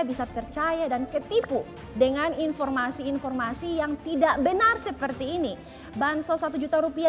bisa percaya dan ketipu dengan informasi informasi yang tidak benar seperti ini bansos satu juta rupiah